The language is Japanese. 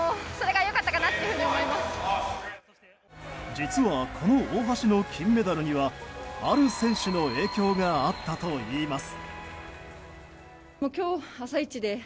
実は、この大橋の金メダルにはある選手の影響があったといいます。